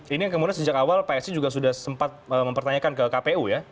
ini yang kemudian sejak awal psi juga sudah sempat mempertanyakan ke kpu ya